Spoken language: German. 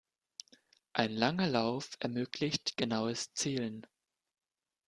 Ein langer Lauf ermöglicht genaues Zielen.